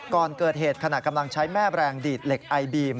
ก่อนเกิดเหตุขณะกำลังใช้แม่แบรนดดีดเหล็กไอบีม